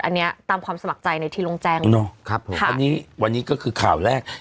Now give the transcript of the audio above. อันนี้ตามความสมัครใจในที่ลงแจ้งครับผมอันนี้วันนี้ก็คือข่าวแรก